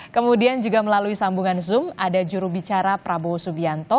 kemudian juga melalui sambungan zoom ada jurubicara prabowo subianto